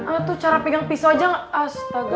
ah tuh cara pegang pisau aja gak astaga